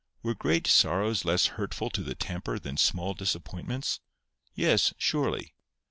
Were great sorrows less hurtful to the temper than small disappointments? Yes, surely.